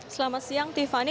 selamat siang tiffany